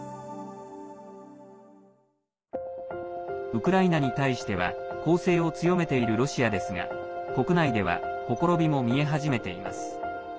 ウクライナに対しては攻勢を強めているロシアですが国内ではほころびも見え始めています。